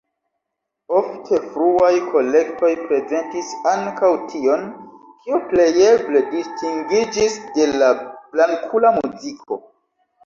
Ofte fruaj kolektoj prezentis ankaŭ tion, kio plejeble distingiĝis de la blankula muziko.